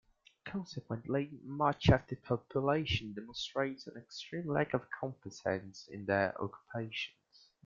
Consequently, much of the population demonstrates an extreme lack of competence in their occupations.